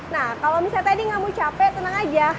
nah kalau misalnya tadi kamu capek tenang aja